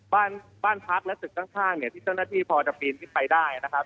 บ้านบ้านพักและตึกข้างเนี่ยที่เจ้าหน้าที่พอจะปีนขึ้นไปได้นะครับ